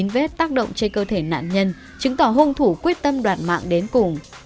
một mươi chín vết tác động trên cơ thể nạn nhân chứng tỏ hung thủ quyết tâm đoạt mạng đến cùng